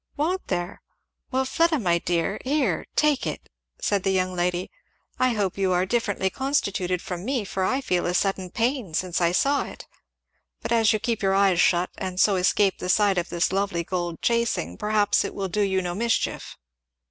"Won't there? Well, Fleda my dear here, take it," said the young lady; "I hope you are differently constituted from me, for I feel a sudden pain since I saw it; but as you keep your eyes shut and so escape the sight of this lovely gold chasing, perhaps it will do you no mischief."